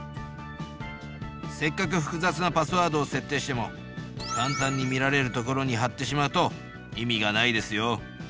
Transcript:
せっかく複雑なパスワードを設定しても簡単に見られるところに貼ってしまうと意味がないですよ。